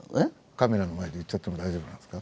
カメラの前で言っちゃっても大丈夫なんですか？